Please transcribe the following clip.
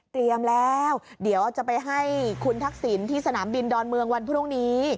แล้วเดี๋ยวจะไปให้คุณทักษิณที่สนามบินดอนเมืองวันพรุ่งนี้